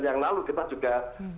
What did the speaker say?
yang lalu kita juga